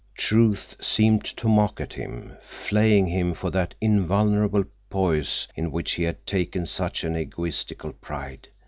Truth seemed to mock at him, flaying him for that invulnerable poise in which he had taken such an egotistical pride.